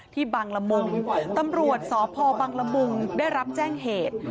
บังละมุงตำรวจสพบังละมุงได้รับแจ้งเหตุ